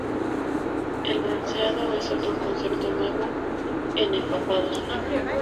El bronceado es otro concepto nuevo en ¡Empapados!